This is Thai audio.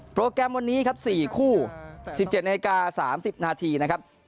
แกรมวันนี้ครับ๔คู่๑๗นาที๓๐นาทีนะครับ